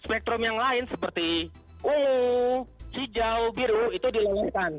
spektrum yang lain seperti ungu hijau biru itu dilengiskan